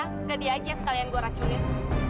nggak dia aja yang sekalian gue racunin